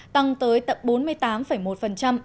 tăng tới tầm bốn mươi tám một